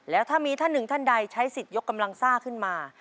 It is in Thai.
แล้วถ้ามีท่านหนึ่งท่านใดใช้สิทธิ์ยกกำลังซ่าขึ้นมา